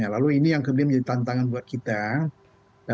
lalu ini yang kemudian menjadi tantangan buat kita